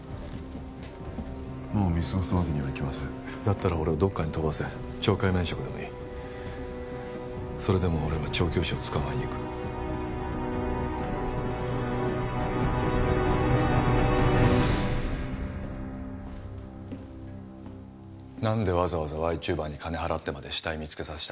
もう見過ごすわけにはいきませんだったら俺をどっかに飛ばせ懲戒免職でもいいそれでも俺は調教師を捕まえに行く何でわざわざＹチューバーに金払ってまで死体見つけさせた？